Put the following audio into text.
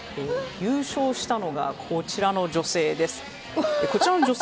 優勝したのが、こちらの女性。